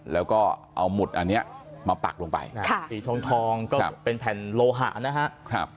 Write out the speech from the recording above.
แล้วก็เอาหมุดอันนี้มาปักลงไปสีทองก็เป็นแผ่นโลหะนะครับ